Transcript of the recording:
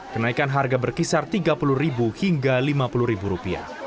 kenaikan harga berkisar tiga puluh ribu hingga lima puluh ribu rupiah